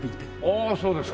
ああそうですか。